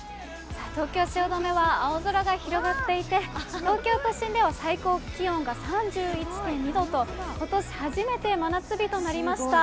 東京・汐留は青空が広がっていて、東京都心では最高気温が３１．２度と、ことし初めて真夏日となりました。